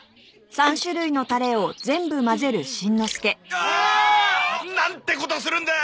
ああ！なんてことするんだ！